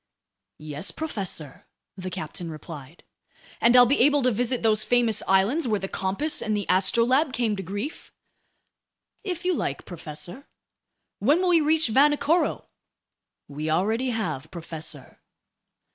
"Yes, professor," the captain replied. "And I'll be able to visit those famous islands where the Compass and the Astrolabe came to grief?" "If you like, professor." "When will we reach Vanikoro?" "We already have, professor."